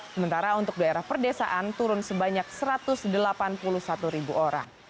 sementara untuk daerah perdesaan turun sebanyak satu ratus delapan puluh satu ribu orang